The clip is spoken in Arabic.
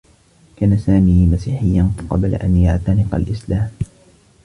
كان سامي مسيحيّا قبل أن يعتنق الإسلام.